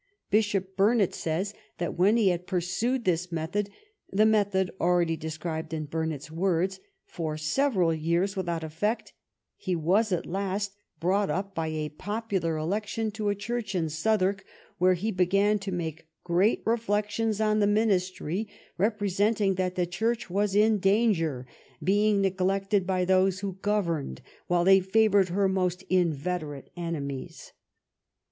Bishop Burnet says that when he had pursued this method — ^the method al ready described in Burnet's words —" for several years without effect, he was at last brought up by a popular election to a church in Southwark, where he began to make great reflections on the Ministry, representing that the Church was in danger, being neglected by those who governed, while they favoured her most in veterate enemies.'